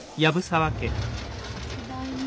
ただいま。